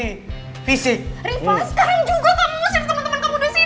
rifa sekarang juga kamu ngusir teman teman kamu di sini